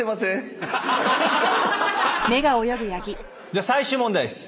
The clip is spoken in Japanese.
じゃあ最終問題です。